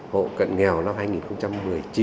hộ cận nghèo năm hai nghìn một mươi chín